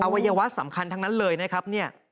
อวัยวะสำคัญทั้งนั้นเลยนะครับ